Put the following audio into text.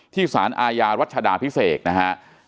ที่ศาลอายารัชฎาพิเศษนะฮะ